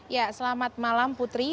ya selamat malam putri